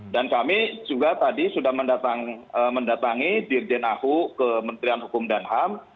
dan kami juga tadi sudah mendatangi dirjen ahu ke menterian hukum dan ham